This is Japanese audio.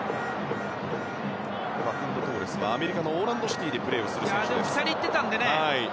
ファクンド・トーレスはアフリカのオーランド・シティでプレーする選手です。